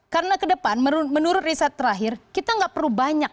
karena kedepan menurut riset terakhir kita nggak perlu banyak